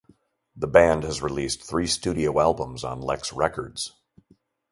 The band has released three studio albums on Lex Records.